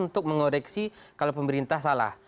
untuk mengoreksi kalau pemerintah salah